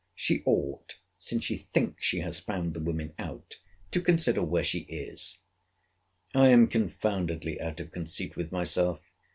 She ought, since she thinks she has found the women out, to consider where she is. I am confoundedly out of conceit with myself.